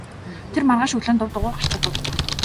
Тэр маргааш өглөө нь дув дуугүй гарч одов.